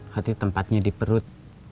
hati tempatnya di perut